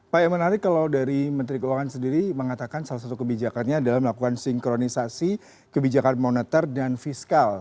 pak yang menarik kalau dari menteri keuangan sendiri mengatakan salah satu kebijakannya adalah melakukan sinkronisasi kebijakan moneter dan fiskal